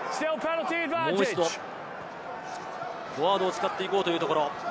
もう一度、フォワードを使っていこうというところ。